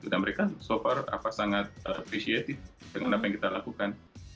dan mereka so far sangat appreciative dengan apa yang kita lakukan